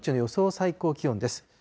最高気温です。